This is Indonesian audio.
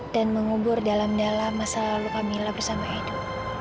dan mengubur dalam dalam masa lalu kamila bersama edo